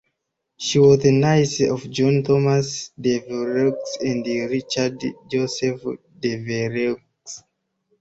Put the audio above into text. She was the niece of John Thomas Devereux and Richard Joseph Devereux.